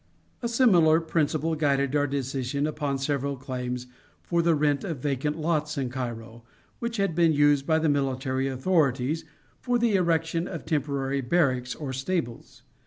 A similar principle guided our decision upon several claims for the rent of vacant lots in Cairo, which had been used by the military authorities for the erection of temporary barracks or stables.